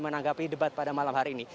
menanggapi debat pada malam hari ini